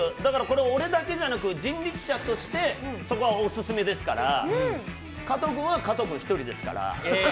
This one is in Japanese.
俺だけじゃなく人力舎としてオススメですから加藤君は加藤君１人ですから。